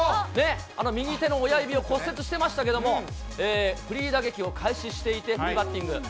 右手の親指を骨折してましたけれども、フリー打撃を開始していて、フリーバッティング。